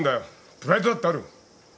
プライドだってある。